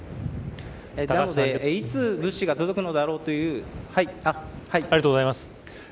なのでいつ物資が届くのだろうとありがとうございます。